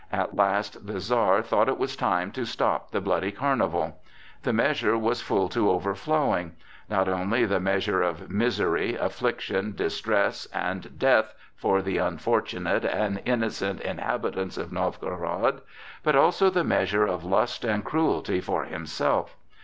At last the Czar thought it was time to stop the bloody carnival. The measure was full to overflowing,—not only the measure of misery, affliction, distress, and death for the unfortunate and innocent inhabitants of Novgorod, but also the measure of lust and cruelty for himself.